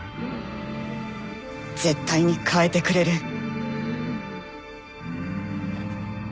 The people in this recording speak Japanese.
絶対に変えてくれる。